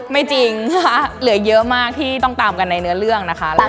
เพื่อนในเพื่อน